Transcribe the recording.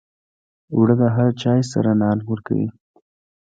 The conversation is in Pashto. اوړه د هر چای سره نان ورکوي